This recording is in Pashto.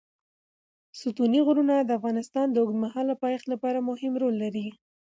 ستوني غرونه د افغانستان د اوږدمهاله پایښت لپاره مهم رول لري.